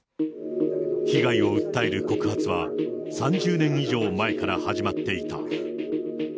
被害を訴える告発は３０年以上前から始まっていた。